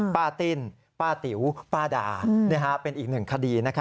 ป้าติ้นป้าติ๋วป้าดาเป็นอีกหนึ่งคดี